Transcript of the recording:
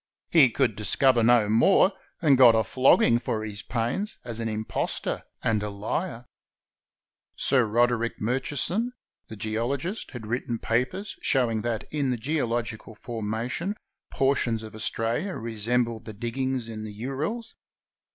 He could discover no more, and got a flog ging for his pains, as an impostor and a Har. Sir Roderick Murchison, the geologist, had written papers showing that in geological formation portions of 485 ISLANDS OF THE PACIFIC Australia resembled the diggings in the Urals.